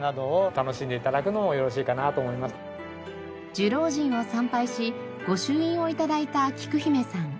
寿老神を参拝し御朱印を頂いたきく姫さん。